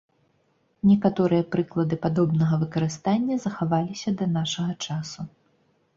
Некаторыя прыклады падобнага выкарыстання захаваліся да нашага часу.